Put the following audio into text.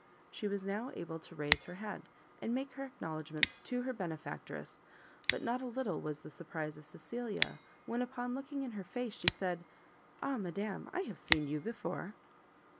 She was now able to raise her head, and make her acknowledgments to her benefactress; but not a little was the surprise of Cecilia, when, upon looking in her face, she said, "Ah, madam, I have seen you before!"